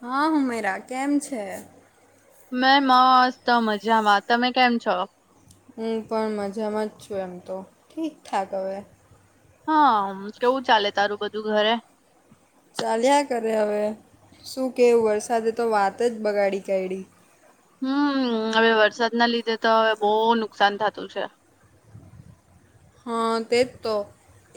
હા હુમેરા કેમ છે? મેં મસ્ત મજામાં તમે કેમ છો? હું પણ મજામાં જ છું એમ તો ઠીકઠાક હવે. હા કેવું ચાલે તારું બધું ઘરે? ચાલ્યા કરે હવે શું કહેવું વરસાદે તો વાત જ બગાડી કાયઢિ. હમ્મ હવે વરસાદના લીધે તો હવે બહુ નુકસાન થતું છે. હા તેજ તો.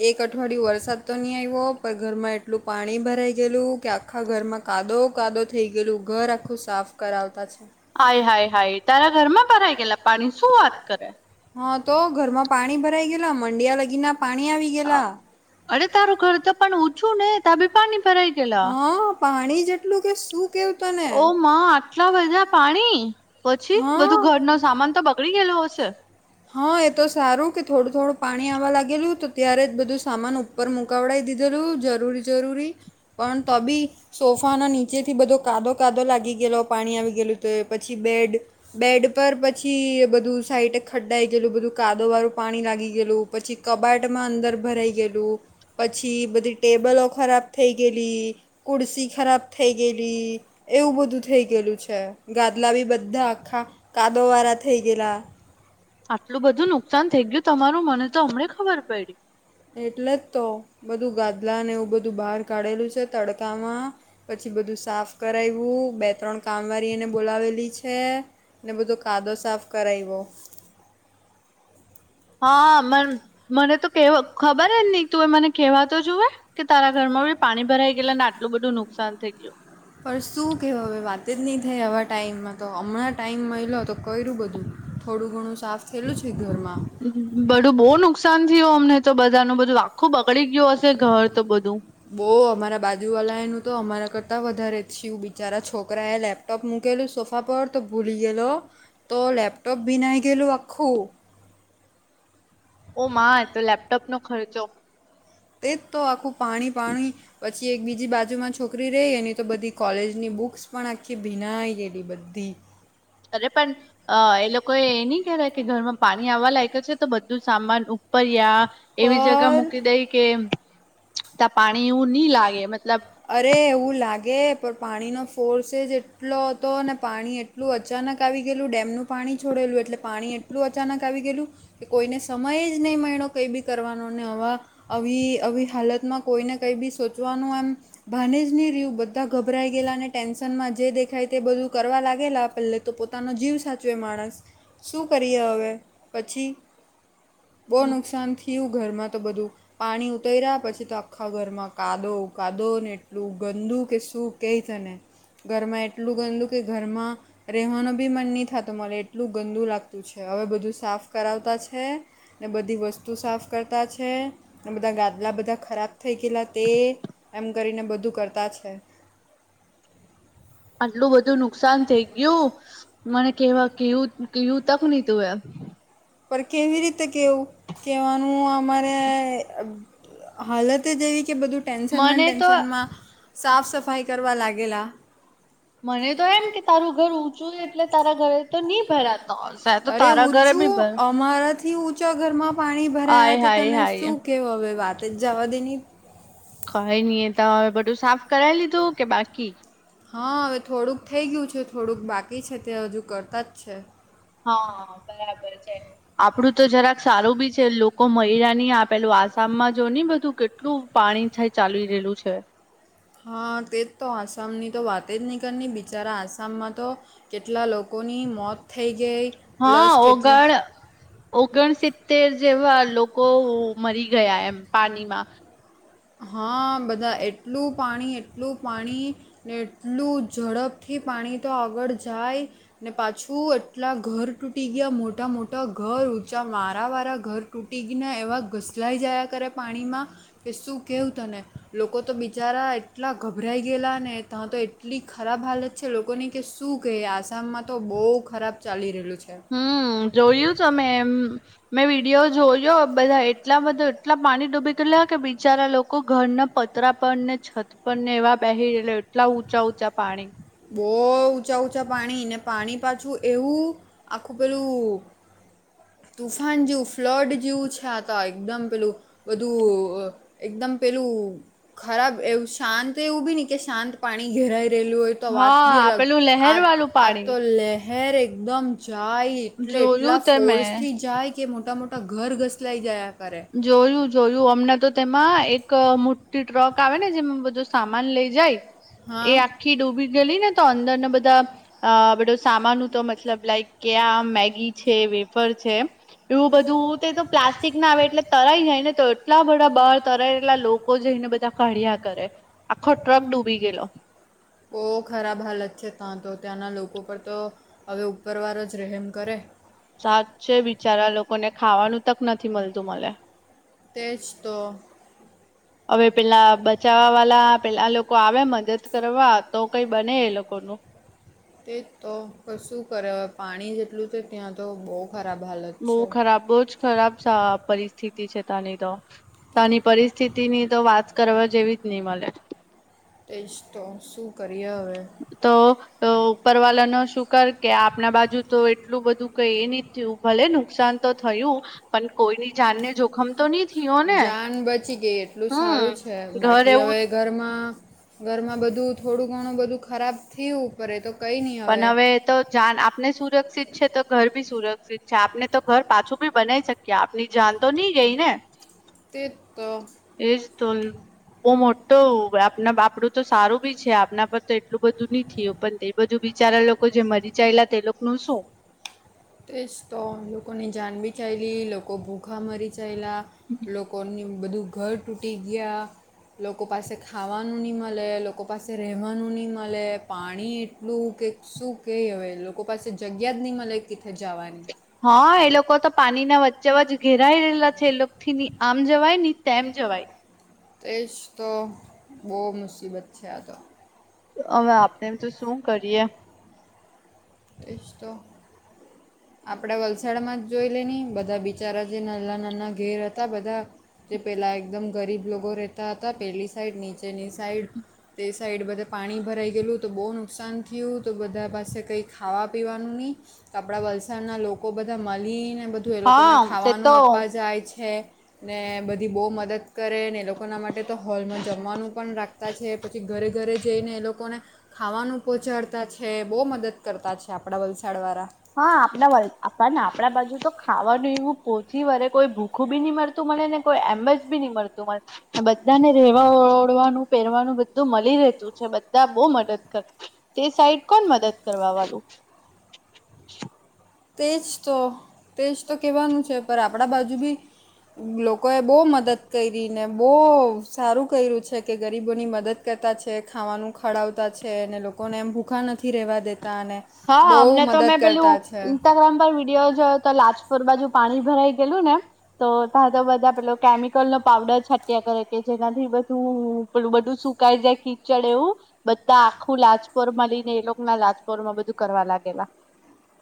એક અઠવાડિયું વરસાદ તો નહીં આવ્યો પણ ઘરમાં એટલું પાણી ભરાઈ ગયેલું ક્યા આખ. આખા ઘરમાં કાદવ કાદવ થઈ ગયેલું ઘર આખું સાફ કરાવતા છે. હાય હાય હાય તારા ઘરમાં ભરાય ગેલા પાણી શું વાત કરે? હા તો ઘરમાં પાણી ભરાઈ ગયલા મંડિયા લગીના પાણી આવી અ, ગયેલા. અરે તારું ઘર તો પણ ઉચૂ ને તા ભી પાણી ભરાઈ ગેલા. હા પાણી જ એટલું કે શું કેવું? તને ઓ મા આટલા બધા પાણી પછી બધું હા ઘર નો સામાન તો બગડી ગયેલો હશે. હા એ તો સારું કે થોડું થોડું પાણી આવવા લાગેલું તો ત્યારે જ બધું સામાન ઉપ. ઉપર મુકાવડાવી દી દેલું જરૂરી જરૂરી પણ ત ભી. સોફા ના નીચે થી બધો કાદો કાદો લાગી ગયેલો પાણી આવી ગયેલું તો એ પછી બેડ. બેડ પર પછી બધું સાઈટે. ખડાઈ ગયેલું બધું કાદો વાળું પાણી લાગી ગયેલું પછી કબાટમાં અંદર ભરાઈ ગયેલું. પછી બધી ટેબલો ખરાબ થઈ ગયેલી ખુર્સી ખરાબ થઈ ગયેલી. એવું બધું થઈ ગેલુ છે ગાદલા ભી બધા આખા કાંદો વાળા થઈ ગયેલા. આટલું બધું નુકસાન થઈ ગયું તમારું મને તો હમને ખબર પડી. એટલે જ તો બધું ગાદલાને એવું બધું બહાર કાઢેલું છે તડકામાં. પછી બધું સાફ કરાયવું બે-ત્રણ કામવારી ને બોલાવેલી છે. ને બધો કાદો સાફ કરાવ્યો. હા મ મને તો કે ખબર નહી તુંએ મને કેવા તો જોવે. કે તારા ઘરમાં ભી પાણી ભરાઈ ગેયલુ ને આટલું બધું નુકસાન થઈ ગયું. પણ શું કહેવો હવે વાત જ નહીં થાય આવા ટાઈમમાં તો હમણાં ટાઈમ મલયો તો કર્યું બધું. થોડું ઘણું સાફ થયેલું છે ઘરમાં. બધું બહુ નુકસાન થય અમને તો બધા ન બધું આખું બગડી ગયું હશે ઘર તો બધું. બહ અમારા બાજુ વાલા એનું તો અમારા કરતા વ. વધારે થયૂ બિચારા છોકરા એ લેપટોપ મૂકેલુ સોફા પર તો ભૂલી ગેલો. તો લેપટોપ ભીનાઈ ગેલું આખું. ઓ માં, તો લેપટોપ નો ખર્ચો. એચ તે તો આખું પાણી-પાણી. પછી એક બીજી બાજુમાં છોકરી રેય, એની તો બધી કોલેજની બુક્સ પણ આખી ભીનાઈ ગયેલી બધી. અરે પણ અ એ લોકો એ નહી કર્યા કે ઘરમાં પાણી આવવા લાયગો છે, તો બધું સામાન ઉપર યા એવી જગ્યા પર મૂકી દઈ કે, ત્યા પાણી એવું નઈ લાગે, મતલબ અરે એવું લાગે, પણ પાણીનો ફોર્સજ એટલો હતો ને પાણી એ એટલું અચાનક આવી ગેલું, ડેમનું પાણી છોડેલું એટલે પાણી એટલું અચાનક આવી ગેલું કે કોઈને સમય જ નહી મળણો, કઈબી કરવાનો, ને આવા આવી આવી હાલતમાં કોઈને કંઈબી સોચવાનું એમ ભાનેજ નહીં રહ્યું, બધા ગભરાઈ ગયેલા, ને ટેન્ સન માં જે દેખાય તે બધું કરવા લાગેલા, આ પેલ્લે તો પોતાનો જીવ સાચવે માણસ. શું કરીએ હવે, પછી બહુ નુકસાન થિયું ઘરમાં તો બધું, પાણી ઉતર્યા પછી તો આ આખા ઘરમાં કાદવ કાદો, ને એટલું ગંદુ કે શું કઈ તને ઘરમાં એટલું ગંદું કે ઘરમાં રેહવાનું બી મન નહીં થાતો મલે, એટલું ગંદુ લાગતું છે, હવે બધું સાફ કરાવતા છે. ને બધી વસ્તુ સાફ કરતા છે, ને બધા ગાદલા બધા ખરાબ ખેલા તે, એમ કરીને બધું કરતા છે. આટલું બધું નુકસાન થઇ ગયું, મને કેવા કેવું કેયું તક નહ તું એ. પર કેવી રીતે કેવું, કેવાનું અમારે હાલત જ એવી, કે બધું ટેન્શનમાં ને મને તો ટેન્શનમાં સાફ સફાઈ કરવા લાગેલા. મને તો એમ કે તારું ઘર ઊંચું, એટલે તારા ઘરે તો નહી ભરાતો વરસાદ એતો તારા ઘરે બી બર મારાથી ઊંચો ઘરમાં પાણી ભરાયા, હાય તે હાય તને હાય શું કહેવો હવે વાતજ, જવા દેની. કઈ નઈ એ તો, હવે બધું સાફ કરાવી લીધું કે બાકી? હા, હવે થોડુંક થઈ ગયું છે, થોડુંક બાકી છે, તે હજુ કરતા જ છે. હા, બરાબર છે, આપડું તો જરાક સારુંબી છે, લોકો મહિરાની આપ પેલું આસામમાં જો ની, બધું કેટલું પાણી થાય ચાલી રહેલું છે. હા તે જ તો, આસામની તો વાતજ નહીં કરની, બિચારા આસામમાં તો કેટલા લોકોની મોત થેઈ ગેઈ હા ઓગણ, ઓગણ સિત્તેર જેવા લો કો મરી ગયા એમ, પાણીમાં. હા બધા, એટલું પાણી, એટલું પાણી. ને એટલું ઝડપથી પાણી તો આગળ જાય. ને પાછું એટલા ઘર તૂટી ગયા, મોટા મોટા ઘર, ઊંચા મારા વારા ઘર ટુટીગ ને એવા ઘસલાઈ જયા કરે પાણીમાં, કે સૂ શું કેવું તને, લોકો તો બિચારા એટલા ગભરાઈ ગયેલા, ને ત્યાં તો એટલી ખરાબ હાલત છે, લોકોની કે શું કહે, આસામમાં તો બહુ ખરાબ ચાલી રહેલું છે. હમ્મ, જોયું તું મે એમ. મેં વિડીયો જોયો, બધા એટલા બધા એટલા પાણી ડૂબી ગયલા, કે બિચારા લોકો ઘર ના પ તરા પરને, છત પરને, એવા બેહિ રહેલા, એટલા ઊંચા ઊંચા પાણી બહુ ઊંચા ઊંચા પાણી, ને પાણી પાછું એવું આખું પેલું તુફાન જેવું, ફ્લડ જેવું છે, આ તો એકદમ પેલું બધું અ એકદમ પેલું ખરાબ એવું, શાંત એવું બી નહી કે શાંત પાણી ઘેરાઈ રહેલું હોય તો વાત બી હા અલગ, પેલું લહેર આ વાળું આ તો પાણી લહેર એકદમ જાય એટલે એટલા જોયું તે ફોર્સ મેં થી જાય કે મોટા મોટા ઘર ઘસલાઈ જાયા કરે. જોયું જોયું અમનેં તો તેમાં એક મોટી ટ્રક આવે ને જેમાં બધુ સામાન લઈ જાય હા એ આખી ડૂબી ગયેલી ને તો અંદરને બધા અ બધું સામાન તો મતલબ લાઈક કે આ મેગી છે વેફર છે એવું બધું તે તો પ્લાસ્ટિક ના આવે એટલે તરાઈ જાય ને તો એટલા બધા બાર તરાય એટલા લોકો જઇને બધા કાઢ્યા કરે. આખો ટ્રક ડૂબી ગેલો. બહુ ખરાબ હાલત છે ત્યાં તો ત્યાંના લોકો પર તો હવે ઉપરવારો જ રહેેમ કરે. સાચે બિચારા લોકોને ખાવાનું તક નથી મળતું મલે. તે જ તો. હવે પેલા બચાવવા વાલા પેલા લોકો કો આવે મદદ કરવા તો કઈ બને એ લોકો નું. તે જ તો પણ શું કરે અ પાણી જ એટલું છે ત્યાં તો બો ખરાબ હાલત બહુ છે ખરાબ બહું જ ખરાબ પરિસ્થિતિ છે ત્યાં ની તો તે ત્યાની પરિસ સ્થિતિ ની તો વાત કરવા જેવી જ નહી મલે. તે જ તો શું કરીએ હવે. તો ઉપરવાલા નો શુકર કે આપના બાજુ તો એટલું બધું કઈ ન થયું ભલે નુકસાન તો થયું પણ કોઈની જાન ને જોખમ તો નહી થયો ને. જાન [unintelligible] એટલું હમ સારું છે ઘર બાકી એવું હવે ઘરમાં ઘરમાં બધું થોડું ઘણું બધું ખરાબ થયું પર એ તો કઈ નહીં. પણ હવે તો જાન આપને સુરક્ષિત છે તો ઘર બી સુરક્ષિત છે આપને તો ઘર પાછું બી બનાઈ શકી કે આપની જાન તો નહી ગઈ ને. તે જ તો. એ જ તો બઉ મોટો [unintelligible] આપણું તો સારું બી છે આપના પર તો એટલું બધું નહી થયું પણ તે બધું બિચારા લોકો જે મરી ચાયલા તે લો નું શું. તે જ તો લોકોની જાન બી ચાયલી લોકો ભૂખા મરી ચાયલા લોકોની બધું ઘર તૂટી ગયા લોકો પાસે ખાવાનું ની મલે લોકો પાસે રહેવાનું ની મલે પાણી એટલું કે શું કે હવે લોકો પાસે જગ્યા જ નહી મલે કીથે જવાની હા એ લોકો તો પાણીના વચ્ચે વચ ઘેરાઈ રહેલા છે એ લોકો થી ની આમ જવાય ની તેમ જવાય. તે જ તો બહુ મુસીબત છે આ તો. હવે આપડે બી તો શું કરીએ. તે જ તો. આપણે વલસાડમાં જ જોઈ લે ની બધા બિચારા જે નાના નાના ઘેર હતા બધા તે પેલા એકદમ ગરીબ લોકો રહેતા હતા પેલી સાઈડ નીચેની સાઈડ તે સાઈડ બધે પાણી ભરાઈ ગયેલું તો બહુ નુકસાન થયું તો બધા પાસે કંઈક ખાવા પીવાનું ની આપડા વલસાડના લોકો બધા મલીને બધુ તો એ હા લોકોને તે તો ખાવાનું આપવા જાય છે ને બધી બહુ મદદ કરે ને એ લોકો લોકોના માટે તો હોલમાં જમવાનું પણ રાખતા છે પછી ઘરે ઘરે જઈને એ લોકોને ખાવાનું પહોંચાડતા છે બહુ મદદ કરતા છે આપડા વલસાડ વાળા હા આપણાને આપણા બાજુ તો ખાવાનું એવું પોચી વરે કોઈ ભૂખું બી નહીં મળતું તું મને અને કોઈ એમ જ બી નહી મળતું મને હા બધા ને રેવા ઓડવાનું પહેરવાનું બધું મળી રહેતું છે બધા બધા બહુ મદદ કરે તે સાઈડ કોણ મદદ કરવા વાળું? તે જ તો તે જ તો કહેવાનું છે પણ આપણા બાજુ બી લોકોએ બહુ મદદ કરી ને બહુ સારું કર્યું છે કે ગરીબોની મદદ કરતા છે ખાવાનું ખવડાવતા છે અને લોકોને એમ ભૂખા નથી રહેેવા દેતા અને હા બહુ અમને તો મદદ મેં કરતા છે. પેલું ઇન્સ્ટાગ્રામ પર વિડીયો જોયો તો લાજપુર બાજુ પાણી ભરાઈ ગયલું ને તો ત્યાં તો બધા પેલું કેમિકલ નો પાવડર છાટ્યા કરે કે જેનાથી બધું પેલું બધું સુકાઈ જાય ચડે એવું બધા આખું લાજપોર મલીને એ લોકો ના લાજપોર માં બધું કરવા લાગેલા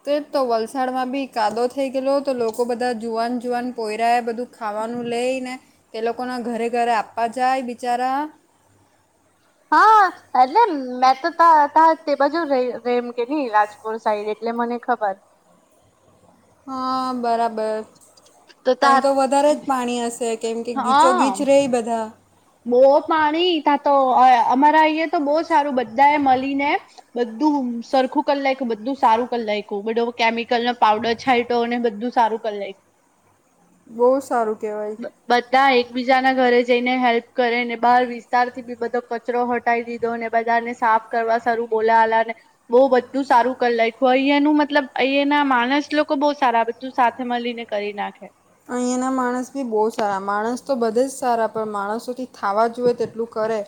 તે તો વલસાડ માં બી કાદો થઈ ગયેલો હતો લોકો બધા જુવાન જુવાન કોયરા બધું ખાવાનું લઈને તે લોકોના ઘરે ઘરે આપવા જાય બિચારા હા એટલે મેં તો ત ત તે બાજુ ર રેમ કે નહી ઇજ ફુલ સાઈડ એટલે મને ખબર હા બરાબર. તૈયા તો વધારે જ પાણી હશે કેમ કે ગીચો ગીચ રહી બધા બઉ પાણી તા તો અમારા અહીંયા તો બહુ હારું બધાએ મલીને બધું સર ખું કર નાખ્યું બધું સારું કર નાખ્યું બધો કેમિકલ નો પાવડર છાયટો તો ને બધું સારું કર નાખ્યું બહુ સારું કહેવાય ના એકબીજા ના ઘરે જઈને હેલ્પ કરે ને બહાર વિસ્તાર થી બી બધો કચરો હટાવી દીધો ને બધાને સાફ કરવા સારું બોલા આલા ને બહું બધું સારું કરી નાખ્યું અહીંયા નું મતલબ અહીયા ના માણસ લોકો બહુ સારા બધુ સાથે મલીને કરી નાખે. અહીંયાના માણસ બી બહુ સારા માણસ તો બધે જ સારા પણ માણસોથી થાવા જુએ તેટલું કરે.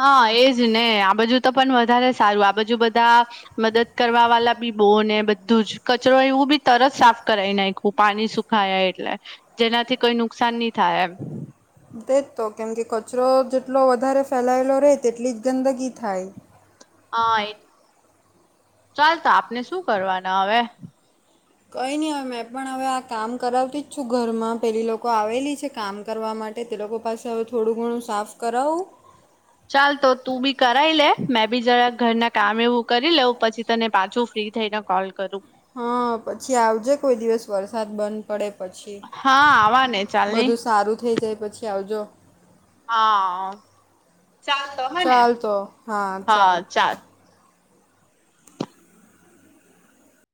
હા એ જ ને આ બાજુ તો પણ વધારે સારું આ બાજુ બધા મદદ કરવા વાલા બી બઉ ને બધું જ કચરો એવું બી તરત સાફ કરાઈ નાખ્યું પાણી સુખાય એટલે જેનાથી કોઈ નુકસાન નહી થાય એમ. તે જ તો કેમ કે કચરો જેટલો વધારે ફેલાયેલો રહે તેટલી જ ગંદગી થાય હા એ ચાલ તો આપને શું કરવાના હવે? કઈ ની હવે મેં પણ હવે આ કામ કરાવતી જ છું ઘરમાં પેલી લોકો આવેલી છે કામ કરવા માટે તે લોકો પાસે હવે થોડું ઘણું સાફ કરાવું ચાલ તો તું બી કરાવી લે મેં બી જરા ઘરના કામ એવું કરી લેઉં પછી તને પાછું ફ્રી થઈ ને કોલ કરું હા પછી આવજે કોઈ દિવસ વરસાદ બ પડે પછી હા આવા ને ચાલની બધું સારું થઈ જાય પછી આવજો હા ચાલ તો હ ને હા ચાલ